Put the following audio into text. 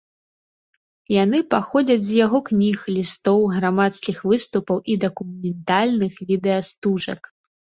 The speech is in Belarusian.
Яны паходзяць з яго кніг, лістоў, грамадскіх выступаў і дакументальных відэастужак.